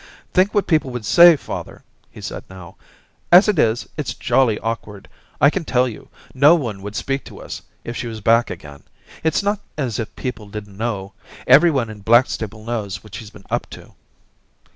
* Think what people would say, father/ he said now ;* as it is, it's jolly awkward, I can tell you. No one would speak to us if she was back again. It's not as if people didn't know ; everyone in Blackstable knows what she's been up to.'